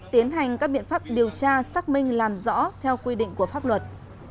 tiến hành các biện pháp điều tra xác minh làm rõ theo quy định của pháp luật